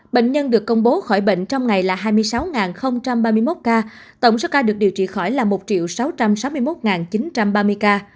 bệnh nhân được công bố khỏi bệnh trong ngày là hai mươi sáu ba mươi một ca tổng số ca được điều trị khỏi là một sáu trăm sáu mươi một chín trăm ba mươi ca